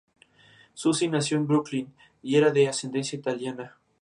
Susi nació en Brooklyn y era de ascendencia italiana.